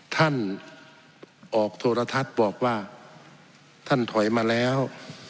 ท่านออกโทรทัศน์บอกว่าท่านถอยมาแล้ว